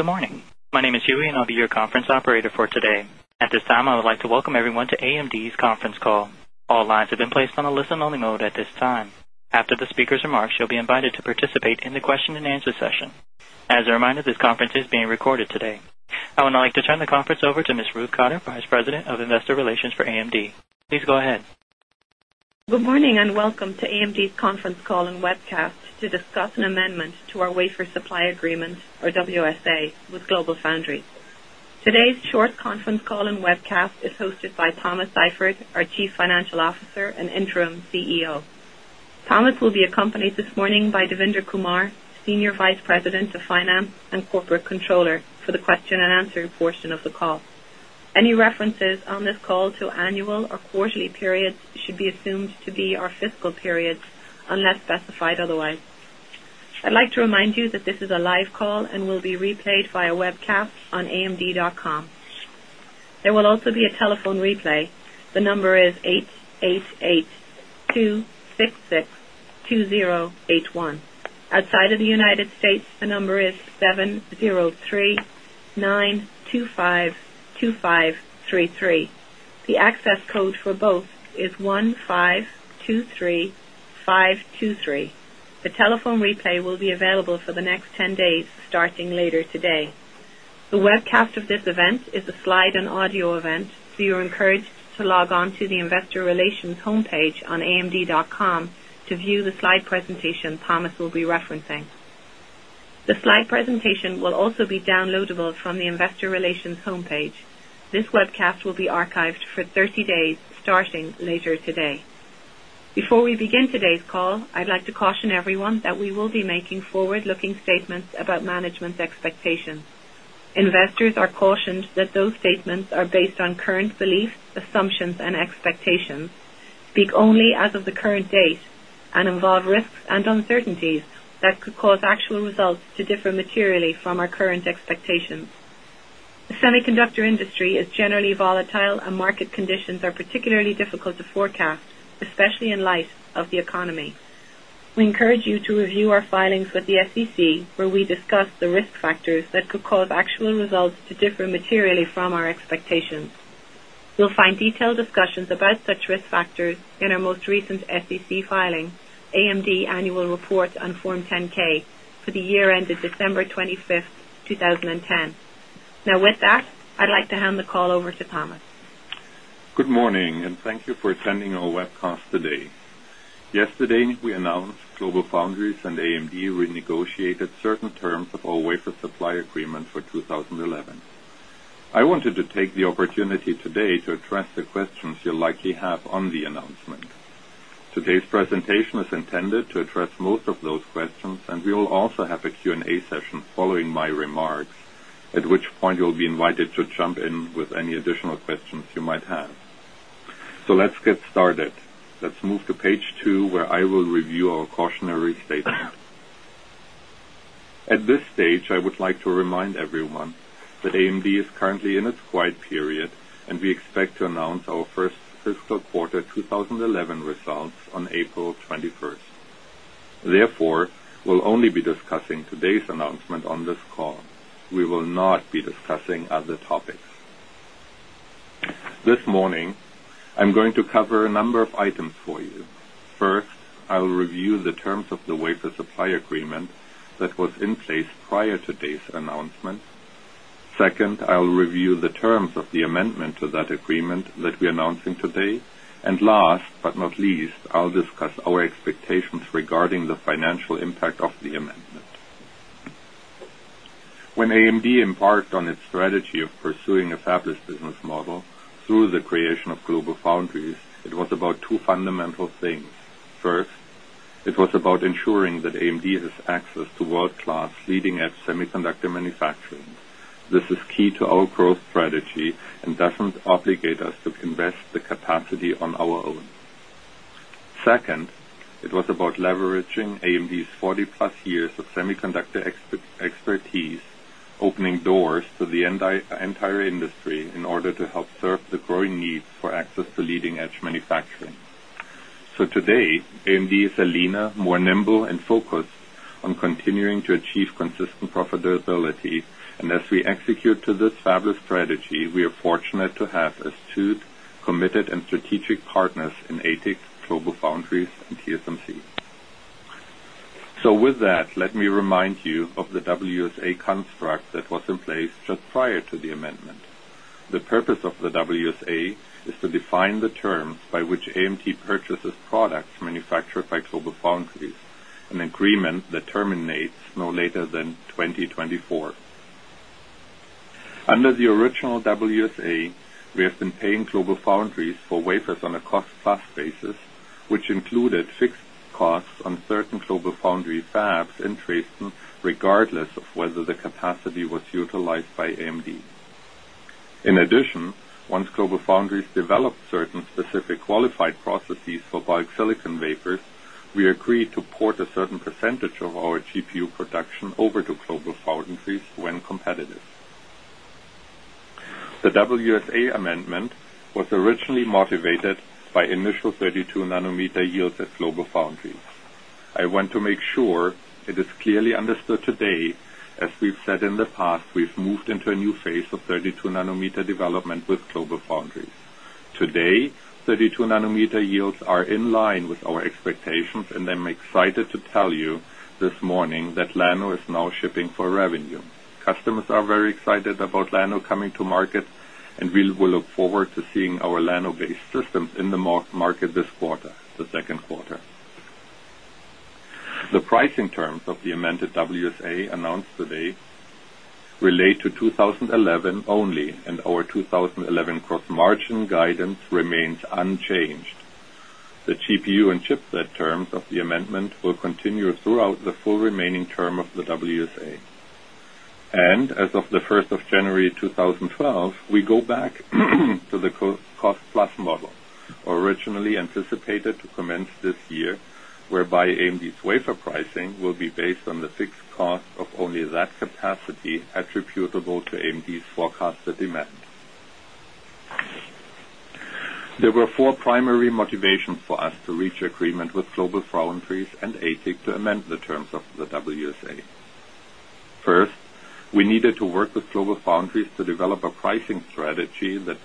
Good morning. My name is Julie, and I'll be your conference operator for today. At this time, I would like to welcome everyone to AMD's Conference Call. All lines have been placed on a listen only mode at this time. After the speakers' remarks, you will be invited to participate in the question and answer session. As a reminder, this conference is being recorded today. I would now like to turn the conference over to Ms. Ruth Cotter, Vice President of Investor Relations for AMD. Please go ahead. Good morning, and welcome to AMD's conference call and webcast to discuss an amendment to our Wafer Supply Agreement or WSA conference call today with GlobalFoundry. Today's short conference call and webcast is hosted by Thomas Seifert, our Chief Financial Officer and Interim CEO. Thomas will be accompanied this morning by Devinder Kumar, Senior Vice President of Finance and Corporate Controller, for the question and commentary on the call. Any references on this call to annual or quarterly periods should be assumed to be our fiscal conference call. I'd like to remind you that this is a live call and will be replayed via webcast on amd.com. There will also press code for both is 1,000,000,000,000,000,000,000,000 conference call today. The webcast of this event is a slide and audio event, so you're encouraged to log on to the Investor Relations homepage on amd conference call.com to view the slide presentation Thomas will be referencing. The slide presentation will also be downloadable from the Investor Communications homepage. This webcast will be archived for 30 days starting later today. Before we begin today's call, call. I'd like to caution everyone that we will be making forward looking statements about management's expectations. Investors are cautioned call. Thank you, conference call. The semiconductor industry is generally volatile and market conditions are particularly difficult to forecast, especially in light of the economy. We encourage you to review our filings with the SEC, where we discuss the risk factors that call that could cause actual results to differ materially from our expectations. You'll find detailed discussions about such risk factors in conference call. In our most recent SEC filing, AMD Annual Report on Form 10 ks for the year ended December 25, 20 conference call. Now with that, I'd like to hand the call over to Thomas. Good morning, and thank you for attending our webcast today. Committee today to address the questions you likely have on the announcement. Today's presentation is intended to address most of those questions and we will call. Conference call. So let's get started. Let's move to page 2 where I will review our cautionary statement. At conference call. At this stage, I would like to remind everyone that AMD is currently in its quiet period and we expect to announce our 1st fiscal quarter twenty quarterly results on April 21. Therefore, we'll only be discussing today's announcement on this call. We will not be discussing other conference. This morning, I'm going to cover a number of items for you. First, I will review the terms of Kuwait, the supply agreement that was in place prior to today's announcement. 2nd, I will review the terms of the amendment to commitment that we're announcing today. And last but not least, I'll discuss our expectations regarding the financial impact of the amendment. Conference. When AMD embarked on its strategy of pursuing a fabless business model through the creation of GlobalFoundries, it was about conference call. 1st, it was about ensuring that AMD has access to world class leading edge semiconductor manufacturing. This key to our growth strategy and doesn't obligate us to invest the capacity on our own. Conference call. It was about leveraging AMD's 40 plus years of semiconductor expertise, opening doors to the entire industry strategic partners in ATIC, GlobalFoundries and TSMC. So with that, let me remind you of the WSA construct that was in place conference call. The purpose of the WSA is to define the terms by which AMD purchases products Under the original WSA, we have been paying global foundries for wafers on a cost plus basis, which included fixed costs on certain GlobalFoundry fabs in Traston regardless of whether the capacity was utilized by AMD. In addition, once GlobalFoundries developed GlobalFoundries. I want to make sure it is clearly understood today, as we've said in the past, we've moved into a new phase of 32 nanometer development with GlobalFoundries. Today, 32 nanometer yields are in line with our expectations, And I'm excited to tell you this morning that Lano is now shipping for revenue. Customers are very excited about Lano coming to market and we look forward to seeing our LANO based systems in the market this quarter, the second quarter. The pricing terms of the amended WSA announced today relate to 2011 only and our 20 continued throughout the full remaining term of the WSA. And as of the 1st January 2012, we go back conference. There were 4 primary motivations for us to reach agreement with Global Frauenfries and conference call. 1st, we needed to work with GlobalFoundries to develop a pricing strategy that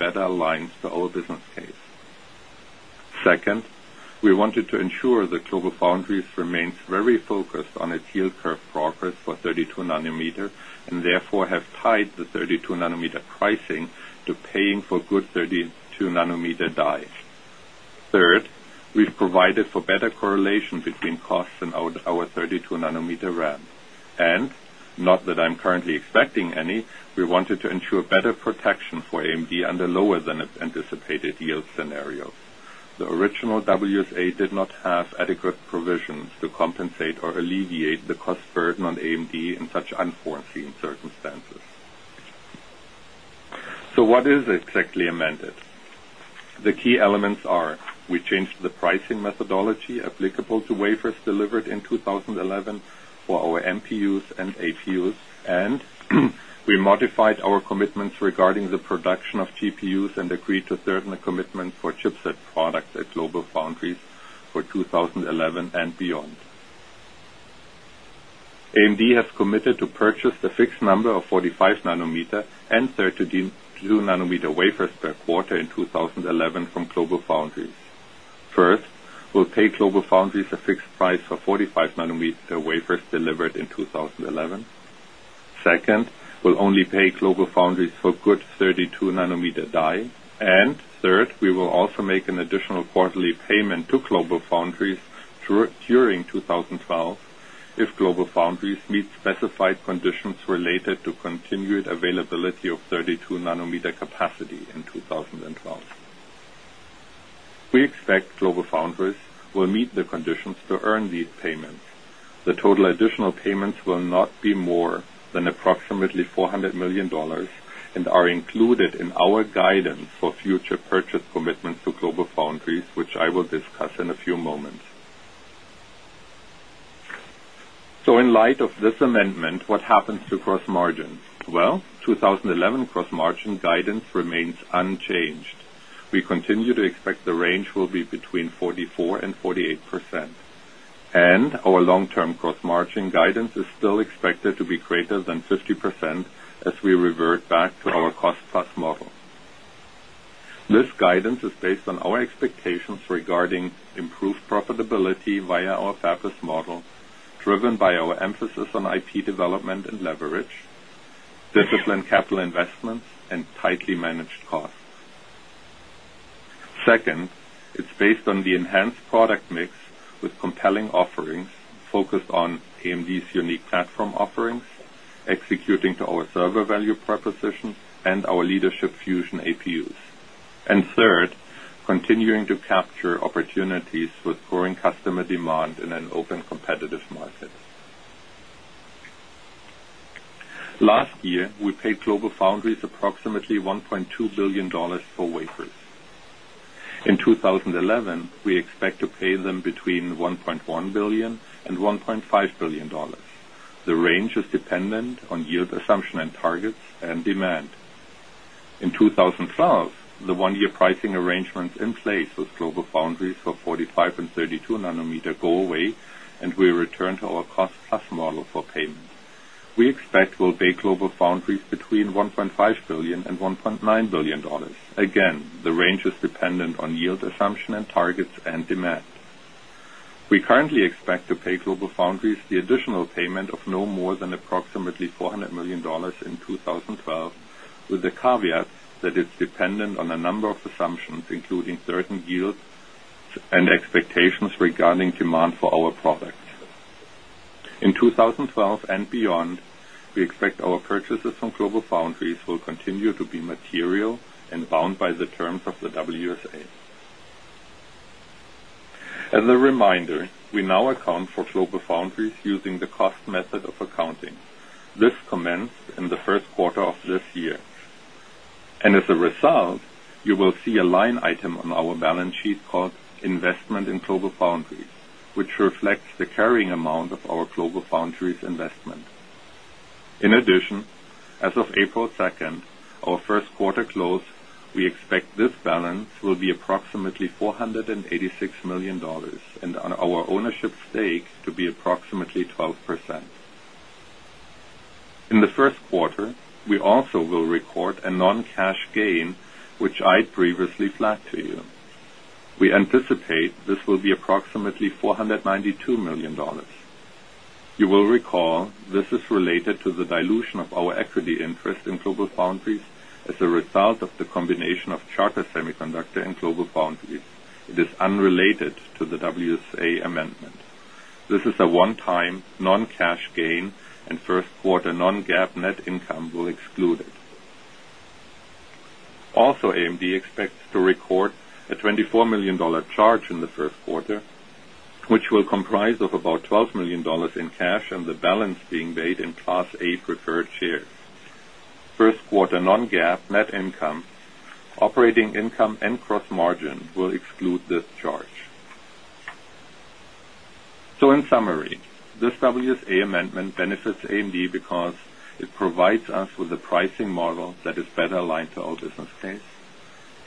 focus on its yield curve progress for 32 nanometer and therefore have tied the 32 nanometer pricing to paying for good 32 nanometer dyes. 3rd, we've provided for better correlation between costs and our 32 nanometer ramp. And not conference call. We wanted to ensure better protection for AMD under lower than its anticipated yield scenario. The original WSA did not have adequate provisions to compensate or alleviate the cost burden on AMD in such unforeseen conference. So what is exactly amended? The key elements are, we changed the pricing methodology applicable to wafers regarding the production of GPUs and agreed to certain commitments for chipset products at GlobalFoundries for 2011 beyond. Conference. AMD has committed to purchase a fixed number of 45 nanometer and 32 nanometer wafers per quarter in 2011 from GlobalFoundries. 1st, we'll pay GlobalFoundries a fixed price for 45 nanometer wafers delivered in call. We will also make an additional quarterly payment to GlobalFoundries during 2012 if GlobalFoundries meet specified conditions related to conference call. The total additional payments will not be more than approximately $400,000,000 and are included Q1 2019 guidance for future purchase commitments to GlobalFoundries, which I will discuss in a few moments. Conference. So in light of this amendment, what happens to gross margins? Well, 2011 gross margin guidance remains conference call. We continue to expect the range will be between 44% and 48%. And our long term gross margin guidance is call expected to be greater than 50% as we revert back to our cost plus model. This guidance is conference call. Based on our expectations regarding improved profitability via our FAPIIS model, driven by our emphasis on IP global value proposition and our leadership Fusion APUs. And 3rd, continuing to capture opportunities with growing customer demand in an open competitive market. Last year, we paid GlobalFoundries approximately 1 point current and we return to our cost plus model for payment. We expect conference call. We We currently expect to pay GlobalFoundries the additional payment of no more than approximately $400,000,000 in 20.12 with the caveat that is dependent on a number of assumptions, including certain yields and expectations regarding demand for our products. Conference call. In 2012 and beyond, we expect our purchases from GlobalFoundries will continue to be material and bound by the terms of conference call. As a reminder, we now account for GLOBALFOUNDRIES using the balance sheet called investment in GlobalFoundries, which reflects the carrying amount of our GlobalFoundries investment. In addition, as conference call. We anticipate this will be approximately $492,000,000 You will recall this conference call. This is related to the dilution of our equity interest in GlobalFoundries as a result of the combination of Charter Semiconductor current and global boundaries. It is unrelated to the WSA amendment. This is a onetime non cash gain preferred share. 1st quarter non GAAP net income, operating income and gross margin will exclude this charge. Conference. So in summary, this WSA amendment benefits AMD because it provides us with a pricing model that is better aligned call.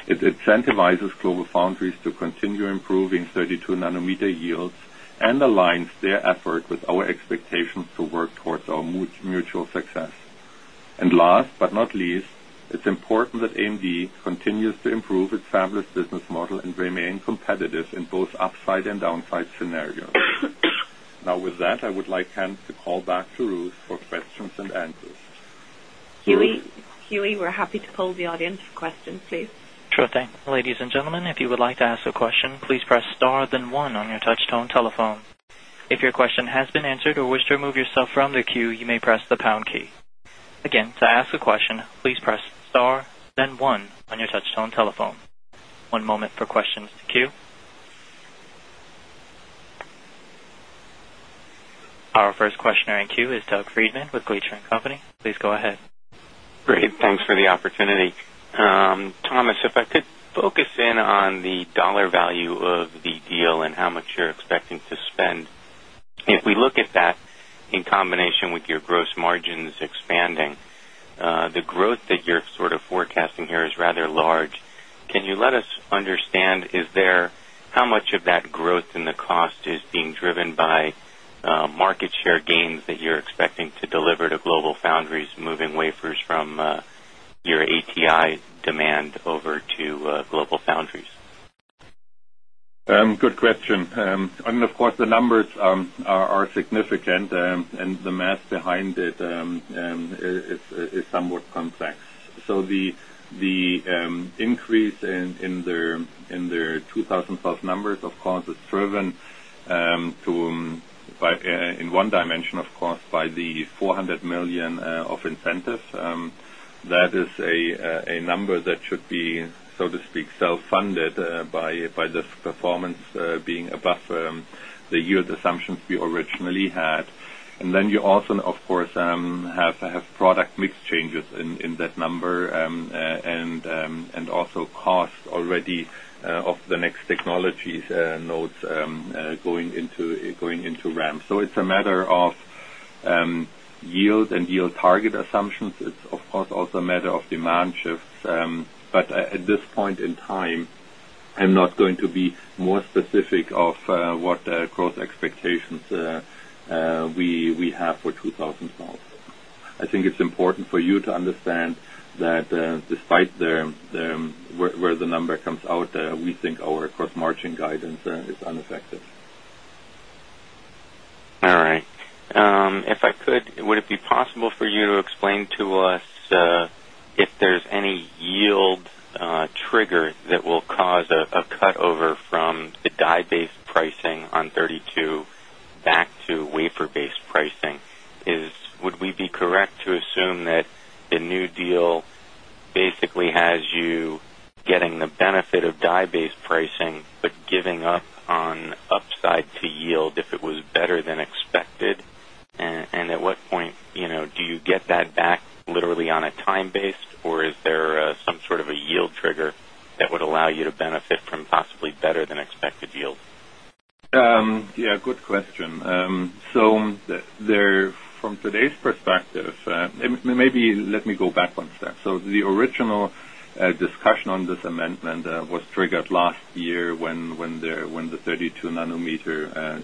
It incentivizes GlobalFoundries to continue improving 32 nanometer yields and aligns their effort with our expectation conference call to work towards our mutual success. And last but not least, it's important that AMD continues to improve Fabry's business model and remain competitive in both upside and downside scenario. Now with that, I would like to hand the call back to Ruth for questions and answers. Hughie, we're happy to poll the audience for questions, please. Conference call. Our first questioner in queue is Doug Friedman with Glacier and Company. Please go ahead. Great. Thanks for the opportunity. Comments. If I could focus in on the dollar value of the deal and how much you're expecting to spend. If we look Deliver to Global Foundries Moving Wafers from your ATI demand over to Global Foundries. Good question. And of course, the numbers are significant and the math behind it is somewhat complex. So the increase in their 2,000 plus numbers of calls is This is a number that should be, so to speak, self funded by this performance being above comp. The yield assumptions we originally had. And then you also, of course, have product mix changes in that number call. At this point in time, I'm not going to be more specific of what growth expectations conference call. I think it's important for you to understand that despite the Where the number comes out, we think our gross margin guidance is unaffected. All right. If I cut over from the dye based pricing on 32 back to wafer based pricing. Would we be correct to assume that the new guidance. And at what point do you get that back literally on a time base? Or is there some sort of a yield trigger that Would allow you to benefit from possibly better than expected yield? Yes, good question. So From today's perspective, maybe let me go back one step. So the original discussion on this amendment was last year when the 32 nanometer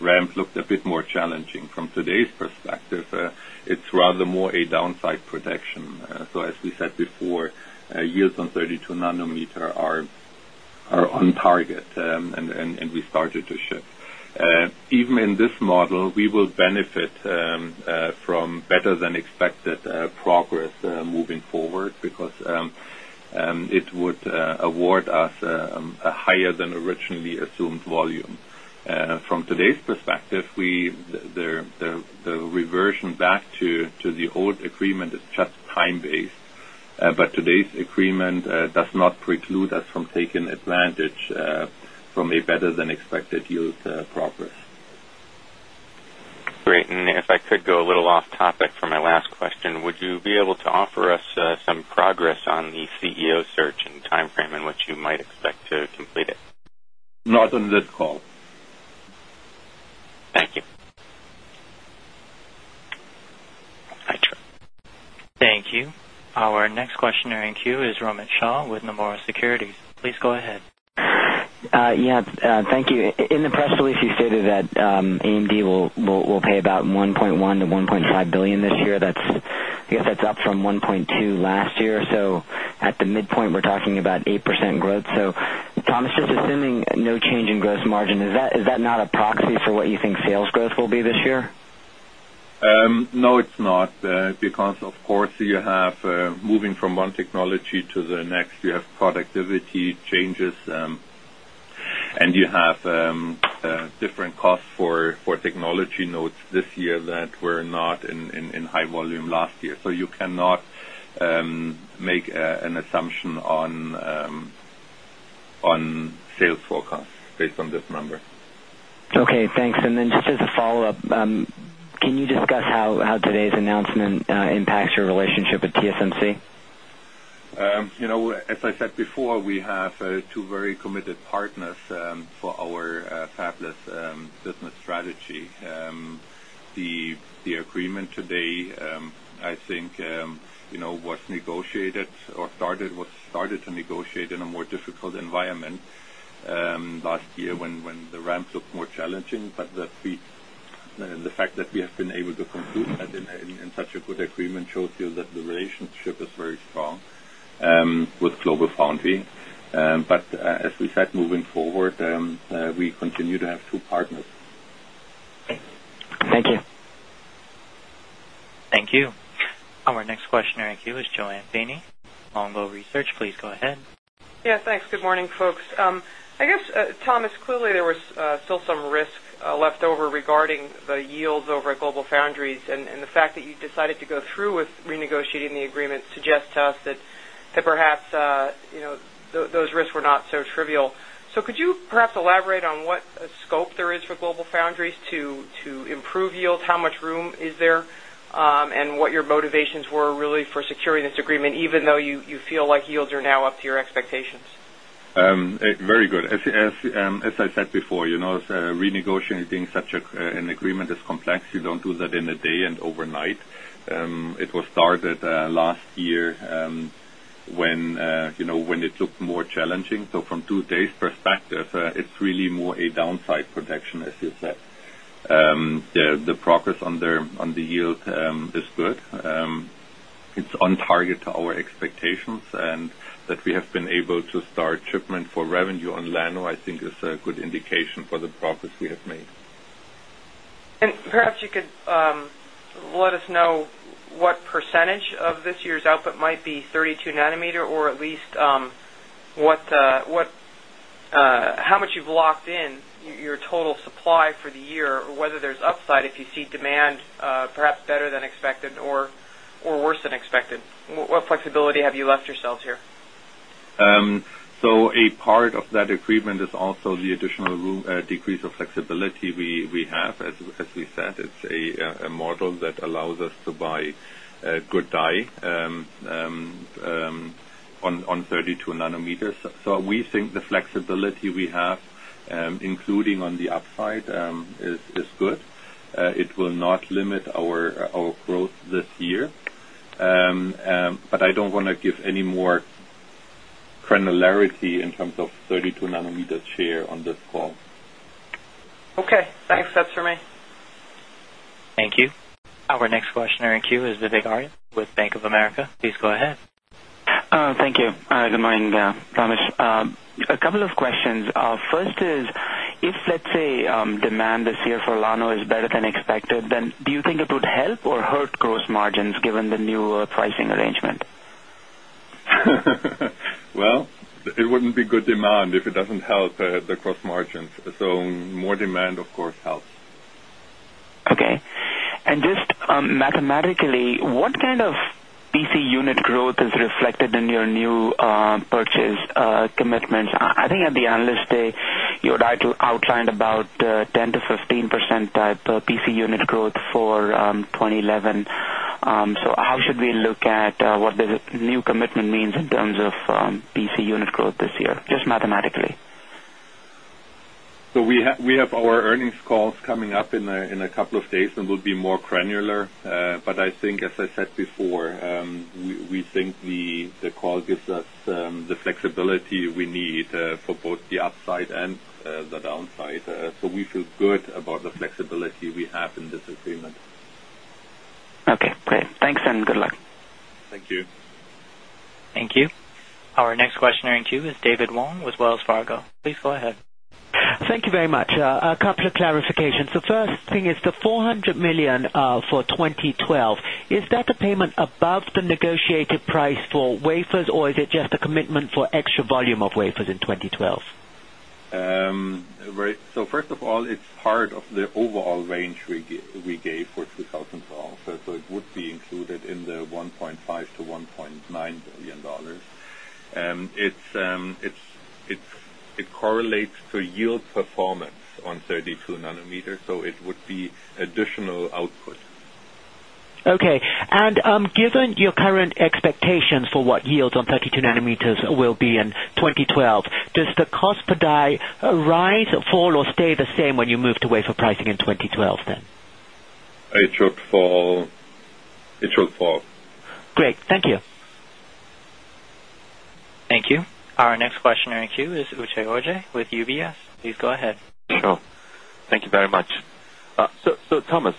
ramp looked a bit more challenging from today's perspective. It's And we started to ship. Even in this model, we will benefit from better than expected progress moving forward because it would award us a higher than originally assumed volume. From today's This perspective, we the reversion back to the old agreement is just time based. But today's agreement does not preclude us from taking advantage from a better than expected yield progress. Great. And if I could go a little off topic for my last question, would you be able to offer us some progress on the CEO search conference. Thank you. Our next questioner in queue is Rohit Shah with Nomura Securities. Please go ahead. Conference. Yes. Thank you. In the press release, you stated that AMD will pay about $1,100,000,000 to $1,500,000,000 this year. That's I guess that's up 1.2% last year. So, at the midpoint, we're talking about 8% growth. So, Thomas, just assuming no change in gross margin, is that that not a proxy for what you think sales growth will be this year? No, it's not. Because, of course, you have moving from 1 technology to the next, you have that we're not in high volume last year. So you cannot make an assumption on sales forecast based on this number. Okay, thanks. And then just as a follow-up, can you discuss call, how today's announcement impacts your relationship with TSMC. As I said before, we have 2 very committed partners I think what's negotiated or started was started to negotiate in a more difficult environment last year when the ramp looked more challenging, conference. The fact that we have been able to conclude that in such a good agreement shows you that the relationship is very strong with GlobalFoundry. But as we said, moving forward, we continue to have 2 partners. Conference. Thank you. Thank you. Our next questioner in queue is Joanne Feeney, Longbow Research. Please go ahead. Yes, thanks. Good morning, folks. I guess, Thomas, clearly there was still some risk left over regarding the yields over at Global countries and the fact that you decided to go through with renegotiating the agreement suggests to us that perhaps those risks were not so trivial. So could Could you perhaps elaborate on what scope there is for GLOBALFOUNDRIES to improve yields, how much room is there and What your motivations were really for securing this agreement even though you feel like yields are now up to your expectations? Very good. Company. As I said before, renegotiating such an agreement is complex. You don't do that in a day and overnight. It was started Last year, when it looked more challenging. So from today's perspective, it's really more a downside protection, as you said. Call. The progress on the yield is good. It's on target to our expectations and that we have been able commercialization and the company's commitment to start shipment for revenue on Lano, I think is a good indication for the progress we have made. And perhaps you could let Let us know what percentage of this year's output might be 32 nanometer or at least what how much You've locked in your total supply for the year, whether there's upside if you see demand perhaps better than expected or worse than expected. What flexibility So a part of that agreement is also the additional room decrease of flexibility We have, as we said, it's a model that allows us to buy good dye Okay. Thanks. That's for me. Thank you. Our next question Q is Vivek Arya with Bank of America. Please go ahead. Thank you. Good morning, Ramesh. A couple of questions. First is, if let's arrangement. Well, it wouldn't be good demand if it doesn't help the gross margins. So Okay. And just mathematically, what kind of PC unit growth is reflected new purchase commitments. I think at the Analyst Day, you had outlined about 10% to 15 kind of PC unit growth for 2011. So how should we look at what the new commitment means in tons of BC unit growth this year, just mathematically. So we have our earnings calls coming up in a couple of days and will be more granular. But I think as I said before, we think the call gives us next questioner in queue is David Wong with Wells Fargo. Please go ahead. Thank you very much. A couple of clarifications. The first thing is the €400,000,000 for 2012. Is that the payment above the negotiated price for wafers or is it just a commitment for extra volume of wafers in 2012. So first of all, it's part of the overall range we gave for 2012. Okay. And Given your current expectations for what yields on 32 nanometers will be in 2012, does the cost per day rise, conference. Thank you. Our next questioner in queue is Uche Oje with UBS. Please go ahead. Sure. Thank you very question. So Thomas,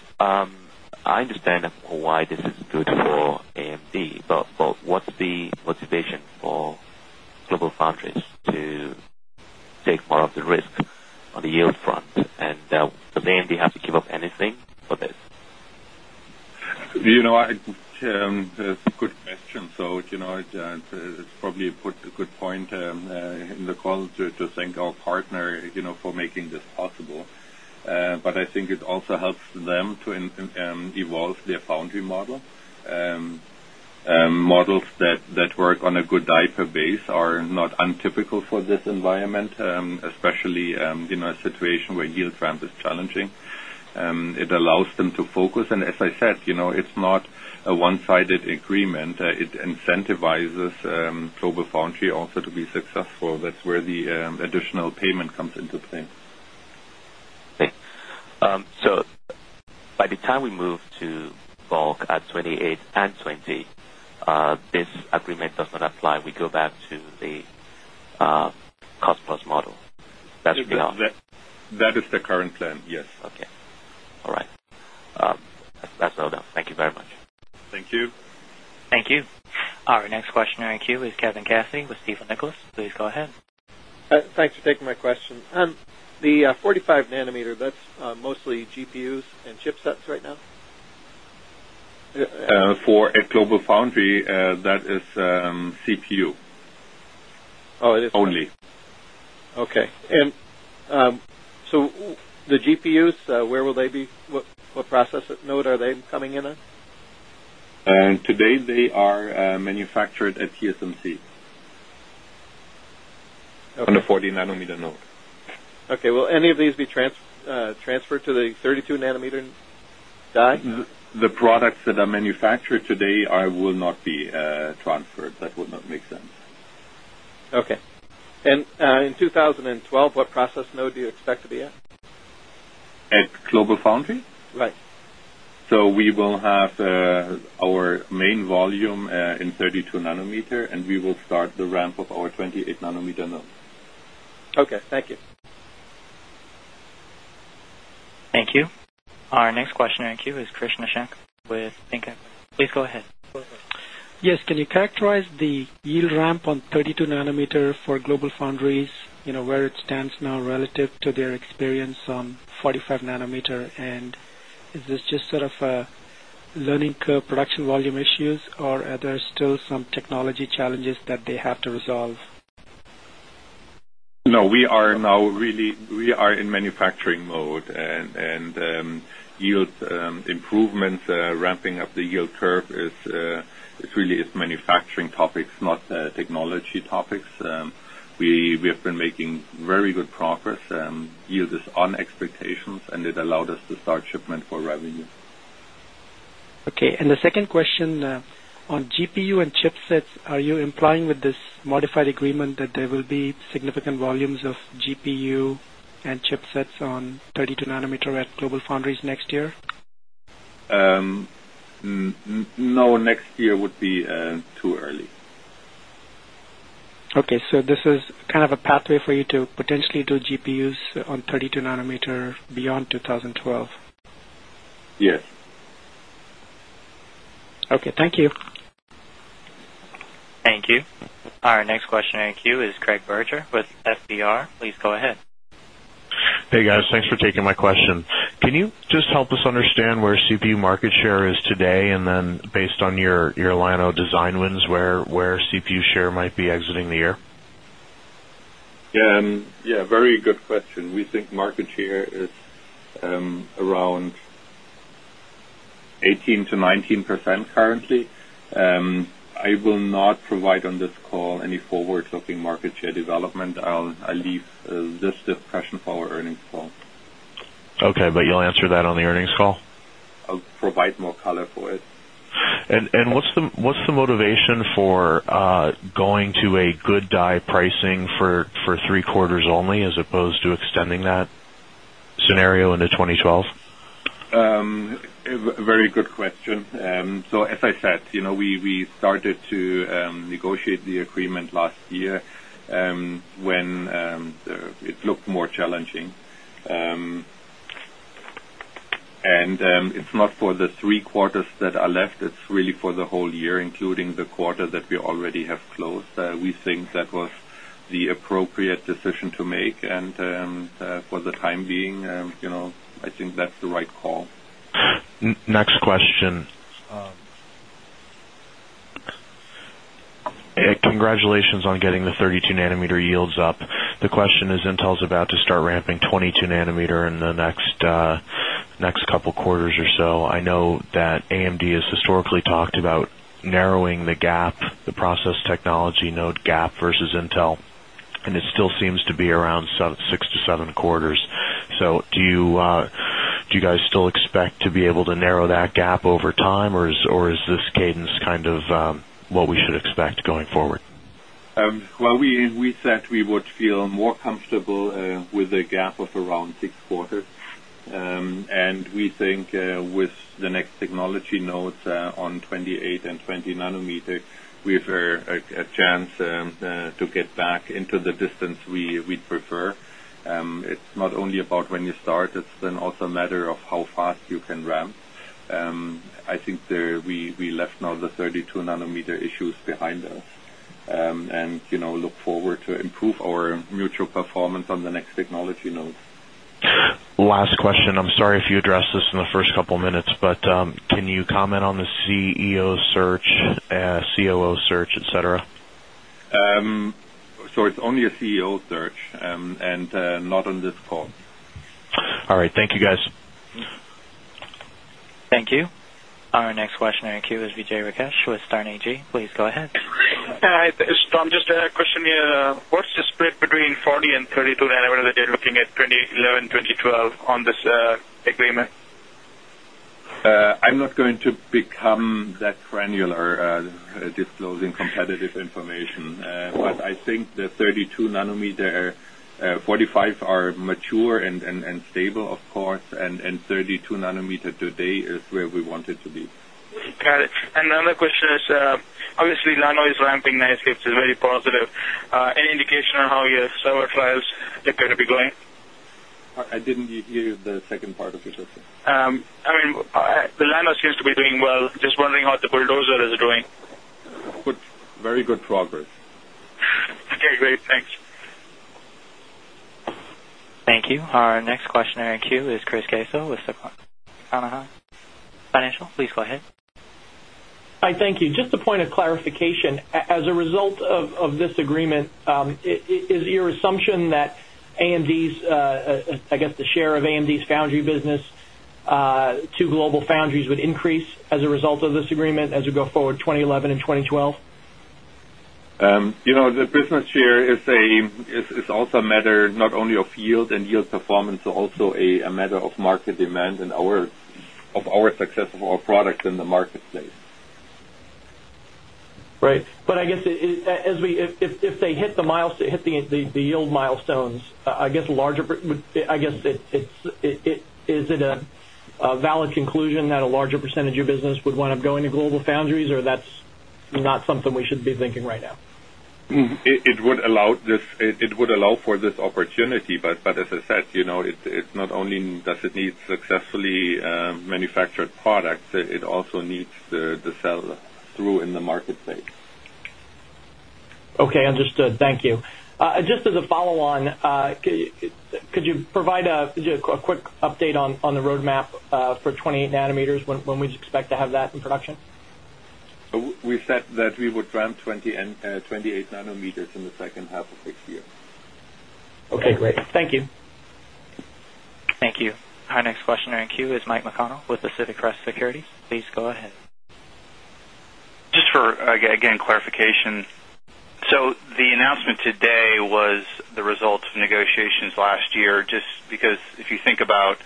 I understand why this is good for AMD, but what's the motivation for GlobalFoundries to take more of the risk on the yield front. And would AMD have to give up anything for this? You know call. Good question. So it's probably a good point in the call to thank our conference call. But I think it also helps them to evolve their foundry model. Models that work on a good diaper base are not untypical for this environment, especially in agreement. It incentivizes GlobalFoundry also to be successful. That's where the additional payment comes into play. Conference. So by the time we move to bulk at 2820, this agreement does not apply. We go back to the cost plus model. That's the help. That is the current plan, yes. Okay. All right. Conference. Thank you. Thank you. Our next questioner in queue is Kevin Cassidy with Stifel Nicolaus. Please go ahead. Conference. Thanks for taking my questions. The 45 nanometer, that's mostly GPUs and chipsets right now? Conference. For a GlobalFoundry that is CPU only. Conference. Okay. So the GPUs, where will they be? What process node are they coming in And today they are manufactured at TSMC on the 14 nanometer node. Okay. Okay. Will any of these be transferred to the 32 nanometer guidance? The products that are manufactured They will not be transferred. That will not make sense. Okay. And in 2012, what process node do you expect to be At GlobalFoundry? Right. So we will have our main volume in 32 nanometer and we will start the ramp Our 28 nanometer node. Okay. Thank you. Thank you. Our next questioner in queue is Krishna Shankh conference. Please go ahead. Yes. Can you characterize the yield ramp on 32 nanometer for GlobalFoundries, where call. No, we are now really we are in manufacturing mode and yield And yield improvements, ramping up the yield curve is really manufacturing topics, not technology CapEx. We have been making very good progress and yield is on expectations and it allowed us to start shipment for call. Okay. And the second question on GPU and chipsets, are you implying with this modified agreement There will be significant volumes of GPU and chipsets on 32 nanometer at GlobalFoundries next year? No, next year would be too early. Okay. So this is kind of a pathway for you to potentially do GPUs on 32 nanometer beyond 2012. Yes. Okay. Thank you. Conference. Thank you. Our next question in queue is Craig Verger with FBR. Please go ahead. Hey, guys. Thanks for taking my question. Can you just help us understand where CPU market share is today? And then based on your line of design wins, where CPU share might be exiting the conference. Yes, very good question. We think market share is around 18% to 19 This is a question for our earnings call. Okay. But you'll answer that on the earnings call? I'll provide more color for it. And And what's the motivation for going to a good die pricing for 3 quarters only as opposed to extending that scenario into 2012. Very good question. So as I said, we started to negotiate the agreement conference. And it's not for the 3 quarters that are left. It's really for the whole year, including the quarter that we already have closed. We think that was the The appropriate decision to make and for the time being, I think that's the right call. Next question. Conference. Congratulations on getting the 32 nanometer yields up. The question is Intel call is about to start ramping 22 nanometer in the next couple of quarters or so. I know that AMD has Historically talked about narrowing the gap, the process technology node gap versus Intel, and it still seems to be around 6 to 7 conference call. So do you guys still expect to be able to narrow that gap over time? Or is this cadence kind of comments. Well, we said we would feel more comfortable with the gap of around 6 quarters. Group. And we think with the next technology nodes on 28 and 20 nanometer, we have a conference to get back into the distance we prefer. It's not only about when you start, it's also a matter of how fast you can call. I think we left now the 32 nanometer issues behind us and look forward to improve our mutual performance CEO search, COO search, etcetera. So it's only a CEO search and not on this call. Conference. All right. Thank you, guys. Thank you. Our next questioner in queue is Vijay Rakesh with Starn AG. Please go ahead. Hi. Call. Just a question here. What's the split between 40 and 32 and 11, if you're looking at 2011, 2012 on this agreement? I'm I'm not going to become that granular disclosing competitive information, but I think the 32 nanometer, 45 are Mature and stable, of course, and 32 nanometer today is where we wanted to be. Got it. And The question is, obviously, LANO is ramping nicely, which is very positive. Any indication on how your several trials look to be I didn't hear the second part of your question. I mean, the landline seems to be doing well. Just wondering how the next questioner in queue is Chris Caso with Cannaheus Financial. Please go ahead. Hi, thank you. Just Point of clarification, as a result of this agreement, is your assumption that AMD's I guess the share of AMD's foundry business to global foundries would increase as a result of this agreement as we go forward 20112012. The business share is also a matter not only of yield and yield performance, but also a matter of market conference of our success of our products in the marketplace. Right. But I guess as we if they hit The yield milestones, I guess larger I guess it's is it a valid conclusion that a larger committee. But as I said, it's not only does it need successfully manufactured products, it also needs the sell through on the road map for 28 nanometers, when we'd expect to have that in production? We said that we would ramp 20 Okay, great. Thank you. Thank you. Our next questioner in queue is Mike with Pacific Crest Securities. Please go ahead. Just for again clarification, so the announcement today was the result of negotiations last year just because Q1 of 2019. Today was the result of negotiations last year just because if you think about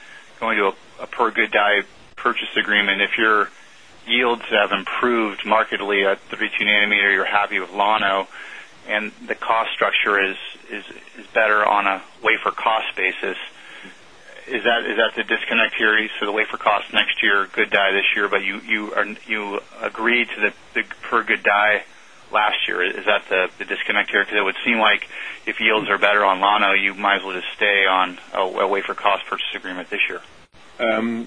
going to a per good die purchase agreement. If your yields have improved markedly at the 3 2 nanometer, you're happy with Lano and the cost structure is better on wafer cost basis. Is that the disconnect period for the wafer cost next year, Good Day this year, but current you agreed to the per good day last year. Is that the disconnect here? Because it would seem like if yields are better on Anno, you might as well just stay on a wafer cost versus agreement this year.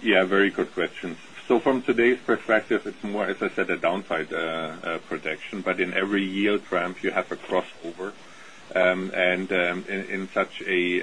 Yes, very good question. So from today's perspective, it's more as I said a But in every yield ramp, you have a crossover. And in such a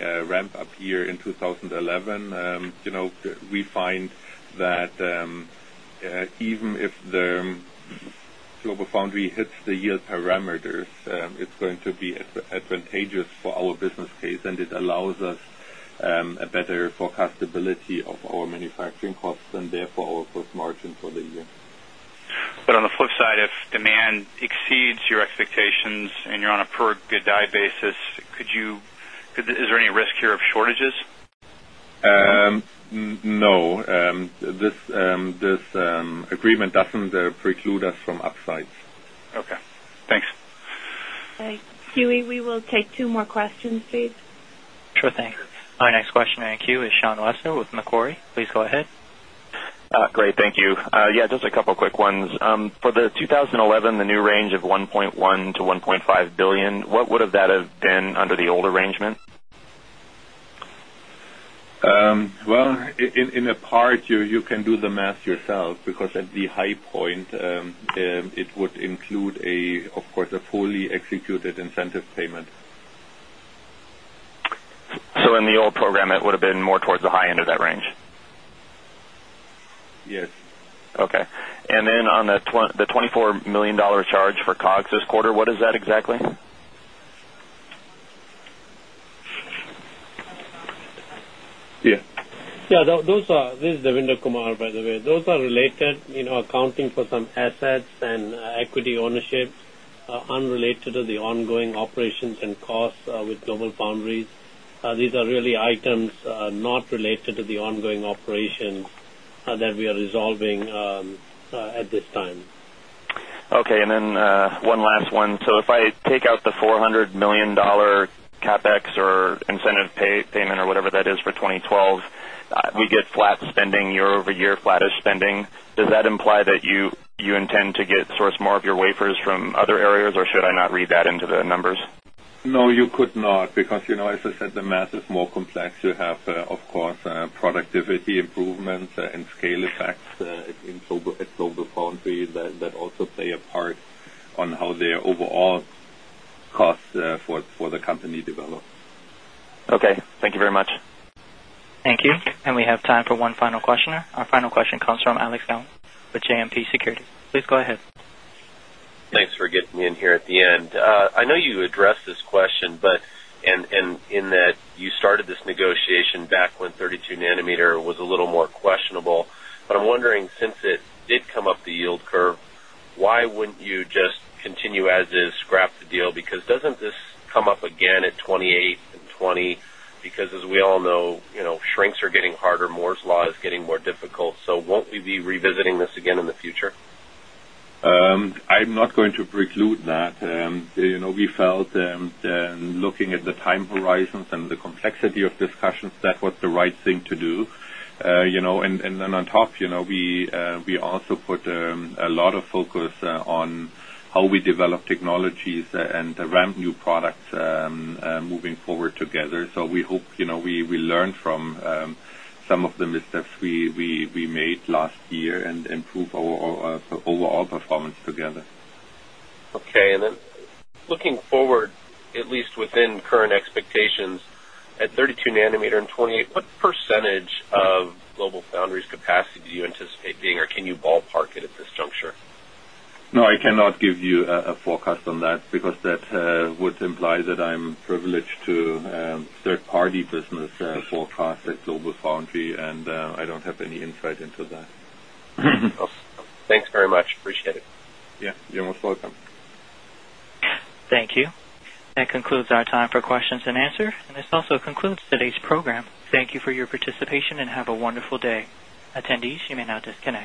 Your expectations and you're on a per good day basis. Could you is there any risk here of shortages? Conference. No. This agreement doesn't preclude us from upside. Okay. Thanks. Conference. We will take 2 more questions, please. Sure. Thanks. Our next question in queue is Sean Wessner with Macquarie. Please go ahead. Call. Great, thank you. Yes, just a couple of quick ones. For the 2011, the new range of $1,100,000,000 to $1,500,000,000 what would kind of been under the old arrangement. Well, in a part, you can do the math yourself because at High point. It would include a, of course, a fully executed incentive payment. So in the old program, Would have been more towards the high end of that range. Yes. Okay. And then on the $24,000,000 charge for COGS this Kumar, by the way, those are related accounting for some assets and equity ownership unrelated to $400,000,000 CapEx or incentive payment or whatever that is for 2012. We get pending year over year flattish spending. Does that imply that you intend to get source more of your wafers from other areas or should I not read guide into the numbers. No, you could not because as I said, the math is more complex. You have, of course, productivity improvements and scale effects global foundry that also play a part on how their overall costs for the company develop. Okay. Thank you very Scott. Thank you. And we have time for one final questioner. Our final question comes from Alex Cowen with JMP Securities. Please go ahead. Conference. Thanks for getting in here at the end. I know you addressed this question, but and in that you started this negotiation back when 32 nanometer was a little more questionable. But I'm wondering since it did come up the yield curve, why wouldn't you just continue as is scrap the deal because doesn't this come conference call. Again at 2820 because as we all know shrinks are getting harder Moore's Law is getting more difficult. So won't we be revisiting I'm not going to preclude that. We felt looking at the time horizons and the complexity of discussions that was the right thing to do. And CUP Technologies and ramp new products moving forward together. So we hope we learn from some call. Okay. And then looking forward, at least Within current expectations, at 32 nanometer and 28, what percentage of GlobalFoundries capacity do you No, I cannot give you a forecast on that because that would imply that I'm privileged Q3rd party business forecasted GlobalFoundry and I don't have any insight into that. Thanks call. Thank you. That concludes our time for questions and answer. And this also concludes today's program. Thank you for for your participation and have a wonderful day. Attendees, you may now disconnect.